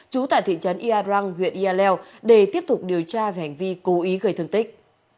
trú tại thị trấn yadrang huyện yaleo để tiếp tục điều tra về hành vi cố ý gửi thương tích